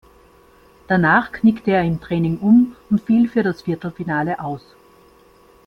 Danach knickte er im Training um und fiel für das Viertelfinale aus.